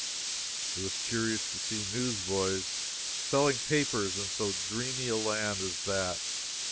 It was curious to see newsboys selling papers in so dreamy a land as that.